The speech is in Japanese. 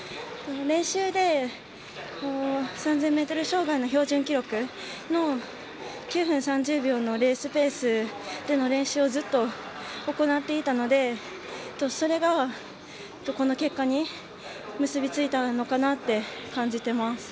練習で３０００ｍ障害の標準記録の９分３０秒のレースペースでの練習をずっと行っていたのでそれが、この結果に結び付いたのかなって感じています。